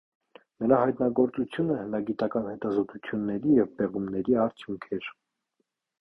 Նրա հայտնագործությունը հնագիտական հետազոտությունների և պեղումների արդյունք էր։